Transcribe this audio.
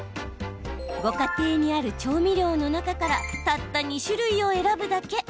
ご家庭にある調味料の中からたった２種類を選ぶだけ。